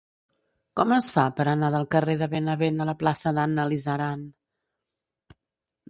Com es fa per anar del carrer de Benavent a la plaça d'Anna Lizaran?